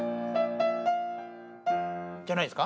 じゃないですか？